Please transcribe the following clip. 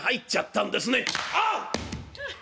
「あっ！